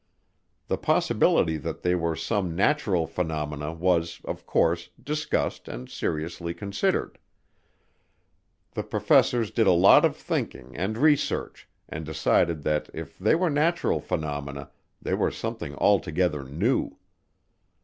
The possibility that they were some natural phenomena was, of course, discussed and seriously considered. The professors did a lot of thinking and research and decided that if they were natural phenomena they were something altogether new.